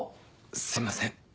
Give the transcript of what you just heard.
すいません。